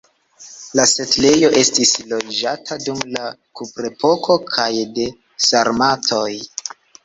La setlejo estis loĝata dum la kuprepoko kaj de sarmatoj.